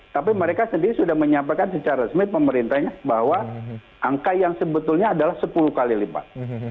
tapi mereka sendiri sudah menyampaikan secara resmi pemerintahnya bahwa angka yang sebetulnya adalah sepuluh kali lipat